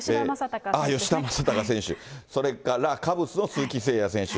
吉田正尚選手、それからカブスの鈴木誠也選手。